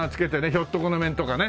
ひょっとこのお面とかね。